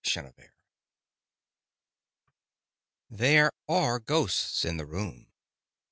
GHOSTS There are ghosts in the room.